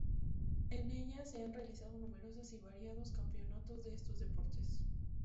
En ella se han realizado numerosas y variados campeonatos de estos deportes.